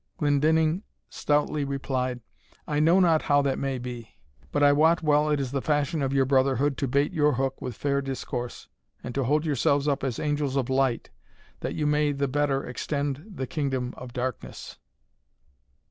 Glendinning stoutly replied, "I know not how that may be but I wot well it is the fashion of your brotherhood to bait your hook with fair discourse, and to hold yourselves up as angels of light, that you may the better extend the kingdom of darkness."